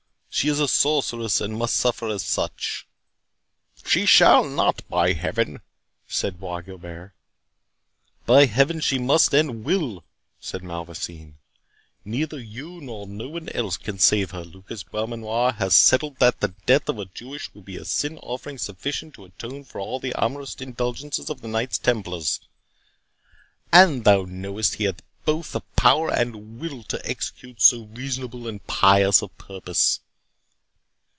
She is a sorceress, and must suffer as such." "She shall not, by Heaven!" said Bois Guilbert. "By Heaven, she must and will!" said Malvoisin. "Neither you nor any one else can save her. Lucas Beaumanoir hath settled that the death of a Jewess will be a sin offering sufficient to atone for all the amorous indulgences of the Knights Templars; and thou knowest he hath both the power and will to execute so reasonable and pious a purpose."